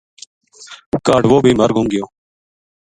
کاہڈ وہ بے مر گُم گیو